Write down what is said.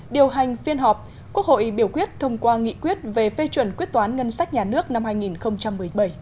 điều hành phiên họp quốc hội biểu quyết thông qua nghị quyết về phê chuẩn quyết toán ngân sách nhà nước năm hai nghìn một mươi bảy